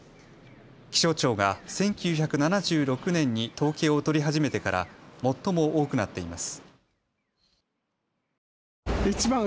気象庁が１９７６年に統計を取り始めてから最も多くなっています。